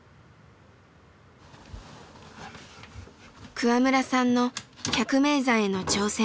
桑村さんの百名山への挑戦。